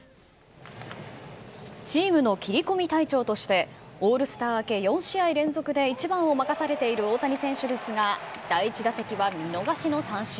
チームの切り込み隊長としてオールスター明け４試合連続で１番を任されている大谷選手ですが、第１打席は見逃しの三振。